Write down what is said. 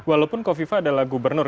walaupun kofifa adalah gubernur